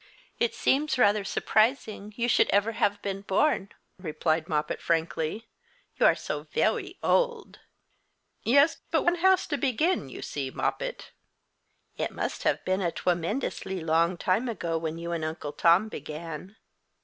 "It seems rather surprising you should ever have been born," replied Moppet, frankly: "you are so veway old." "Yes; but one has to begin, you see, Moppet." "It must have been a twemendously long time ago when you and Uncle Tom began."